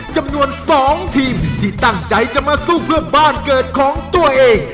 จำนวน๒ทีมที่ตั้งใจจะมาสู้เพื่อบ้านเกิดของตัวเอง